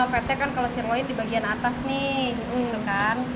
fatnya kan kalau sirloin di bagian atas nih